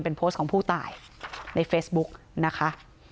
เป็นโพสต์ของผู้ตายในเฟซบุ๊กนะคะ